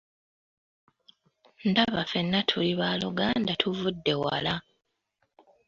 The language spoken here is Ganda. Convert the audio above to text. Ndaba ffena tuli baaluganda, tuvudde wala!